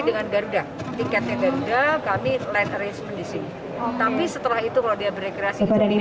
dengan garuda tiketnya garuda kami lain arrangement disini tapi setelah itu kalau dia berkreasi